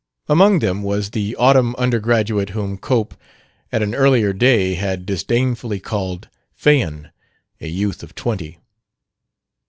Among them was the autumn undergraduate whom Cope, at an earlier day, had disdainfully called "Phaon," a youth of twenty.